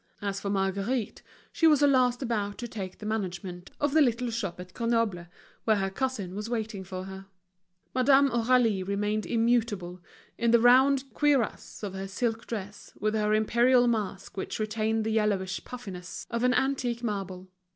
As for Marguerite, she was at last about to take the management of the little shop at Grenoble, where her cousin was waiting for her. Madame Aurélie remained immutable, in the round cuirass of her silk dress, with her imperial mask which retained the yellowish puffiness of an antique marble.